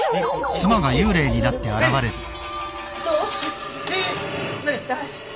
葬式出して。